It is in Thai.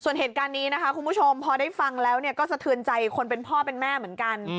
ส่วนเหตุการณ์นี้นะคะคุณผู้ชมพอได้ฟังแล้วก็สะเทือนใจคนเป็นพ่อเป็นแม่เหมือนกัน